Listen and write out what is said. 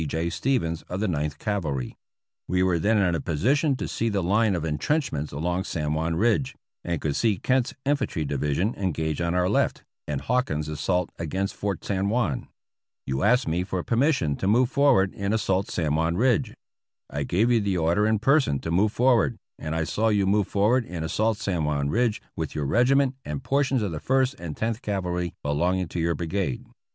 J. Stevens, of the Ninth Cavahy. We were then in a position to see the line of intrenchments along San Juan Ridge, and could see Kent's Infantry Divis ion engaged on our left, and Hawkins' assault against Fort San Juan. You asked me for permission to move forward 313 APPENDIX F and assault San Juan Ridge. I gave you the order in per son to move forward, and I saw you move forward and assault San Juan Ridge with your regiment and portions of the First and Tenth Cavalry belonging to your Brigade.